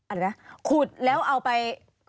อะไรนะขุดแล้วเอาไป